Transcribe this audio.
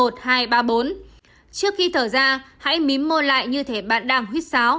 trước khi thở ra hãy mí môi lại như thế bạn đang huyết xáo